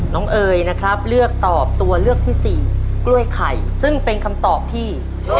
เอ๋ยนะครับเลือกตอบตัวเลือกที่สี่กล้วยไข่ซึ่งเป็นคำตอบที่